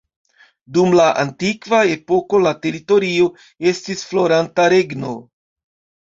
Dum la antikva epoko la teritorio estis floranta regno.